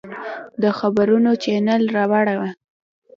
د خبرونو چاینل راواړوه!